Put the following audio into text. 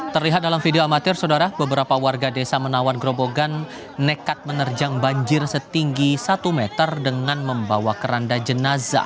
terlihat dalam video amatir saudara beberapa warga desa menawar gerobogan nekat menerjang banjir setinggi satu meter dengan membawa keranda jenazah